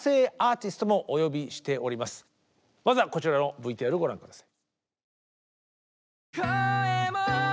まずはこちらのＶＴＲをご覧下さい。